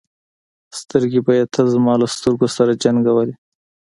سترګې به یې تل زما له سترګو سره جنګولې.